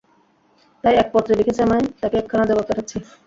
তাই এক পত্রে লিখেছে আমায়!! তাকে একখানা জবাব পাঠাচ্ছি।